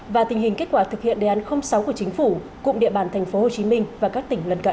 và tình hình kết quả thực hiện đề án sáu của chính phủ cùng địa bàn tp hcm và các tỉnh lân cận